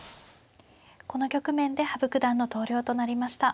この局面で羽生九段の投了となりました。